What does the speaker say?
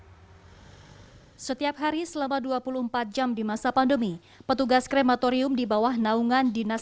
hai setiap hari selama dua puluh empat jam di masa pandemi petugas krematorium di bawah naungan dinas